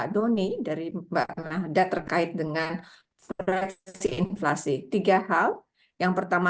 terima kasih pak gubernur